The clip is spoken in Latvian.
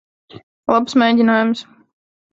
Labs mēģinājums.